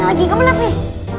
ada orang lagi kemelet nih